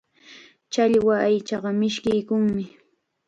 Challwa aychaqa mishkiykunmi.